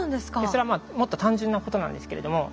それはもっと単純なことなんですけれども。